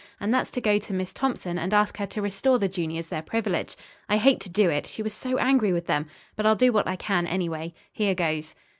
"And that's to go to Miss Thompson and ask her to restore the juniors their privilege. I hate to do it, she was so angry with them. But I'll do what I can, anyway. Here goes."